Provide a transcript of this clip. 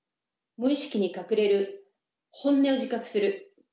無意識に隠れる本音を自覚する。